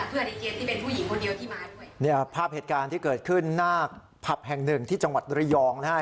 ในเจมสที่เป็นผู้หญิงคนเดียวที่มาด้วยเนี่ยภาพเหตุการณ์ที่เกิดขึ้นหน้าผับแห่งหนึ่งที่จังหวัดระยองนะฮะ